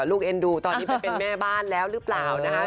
ลูกเอ็นท์ดูตอนนี้ไปเป็นแม่บ้านแล้วหรือเปล่า